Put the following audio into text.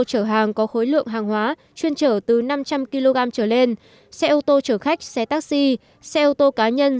chở hàng có khối lượng hàng hóa chuyên trở từ năm trăm linh kg trở lên xe ô tô chở khách xe taxi xe ô tô cá nhân